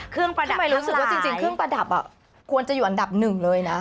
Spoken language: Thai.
ทำไมรู้สึกว่าจริงเครื่องประดับควรจะอยู่อันดับหนึ่งเลยนะ